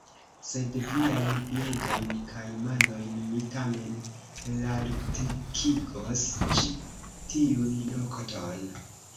Sed viajn piedojn kaj manojn mi tamen elartikigos ĉi tiun nokton!